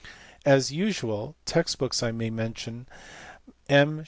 As usual text books I may mention M.